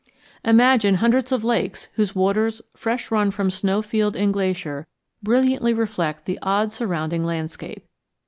Imagine hundreds of lakes whose waters, fresh run from snow field and glacier, brilliantly reflect the odd surrounding landscape.